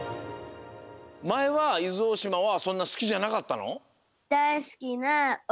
まえはいずおおしまはそんなすきじゃなかったの？